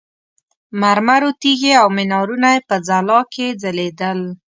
مرمرو تیږې او منارونه یې په ځلا کې ځلېدل.